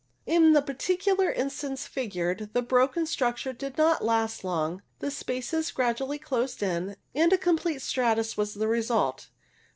In the particular instance figured, the broken structure did not last long ; the spaces gradually closed in, and a complete stratus was the result.